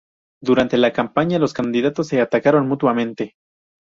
Durante la campaña los candidatos se atacaron mutuamente.